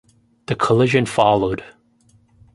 The collision followed.